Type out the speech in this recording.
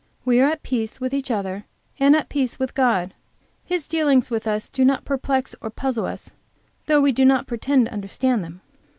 We are at peace with each other and at peace with God; His dealings with us do not perplex or puzzle us, though we do not pretend to understand them.